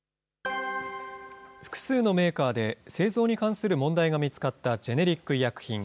複数のメーカーで、製造に関する問題が見つかったジェネリック医薬品。